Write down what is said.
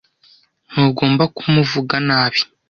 Ntugomba kumuvuga nabi.